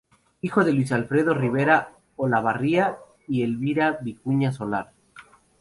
Hijo de Luis Alfredo Rivera Olavarría y Elvira Vicuña Solar.